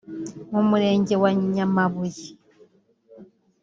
mu Murenge wa Nyamabuye